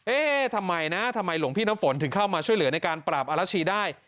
เอ๊ะทำไมนะทำไมหลวงพี่น้ำฝนถึงเข้ามาช่วยเหลือในการปราบอารัชชีได้